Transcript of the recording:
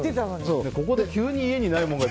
ここで急に家にないものがね。